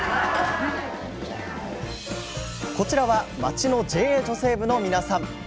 こちらは町のＪＡ女性部の皆さん。